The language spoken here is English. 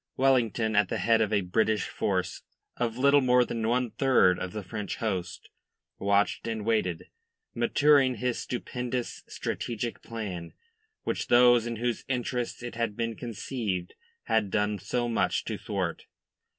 Wellington, at the head of a British force of little more than one third of the French host, watched and waited, maturing his stupendous strategic plan, which those in whose interests it had been conceived had done so much to thwart.